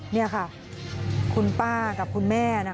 นี่ค่ะคุณป้ากับคุณแม่